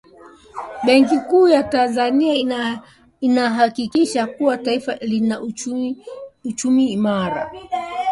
benki kuu ya tanzania inahakikisha kuwa taifa lina uchumi imara